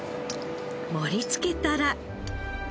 盛り付けたら。